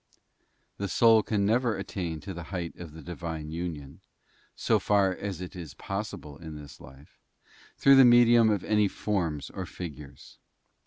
t : The soul can never attain to the height of the Divine union, so far as it is possible in this life, through the medium of any forms or figures.